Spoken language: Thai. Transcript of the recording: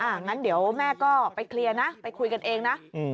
งั้นเดี๋ยวแม่ก็ไปเคลียร์นะไปคุยกันเองนะ